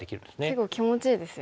結構気持ちいいですよね。